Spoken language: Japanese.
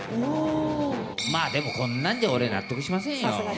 まあでも、こんなんじゃ俺は納得しませんよ。